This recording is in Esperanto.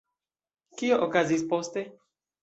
Kio okazis poste?